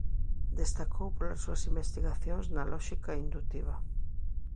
Destacou polas súas investigacións na lóxica indutiva.